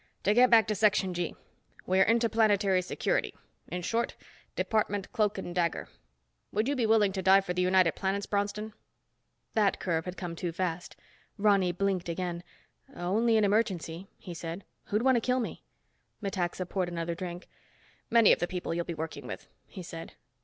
"To get back to Section G. We're Interplanetary Security. In short, Department Cloak and Dagger. Would you be willing to die for the United Planets, Bronston?" That curve had come too fast. Ronny blinked again. "Only in emergency," he said. "Who'd want to kill me?" Metaxa poured another drink. "Many of the people you'll be working with," he said.